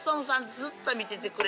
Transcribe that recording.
ずっと見ててくれて。